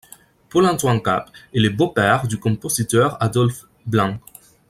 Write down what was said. Paul-Antoine Cap est le beau-père du compositeur Adolphe Blanc.